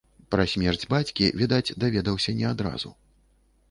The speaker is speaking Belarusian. Пра смерць бацькі, відаць, даведаўся не адразу.